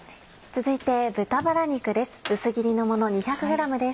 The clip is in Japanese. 続いて豚バラ肉です